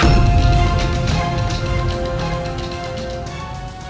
apakah anda tahu apa yang terjadi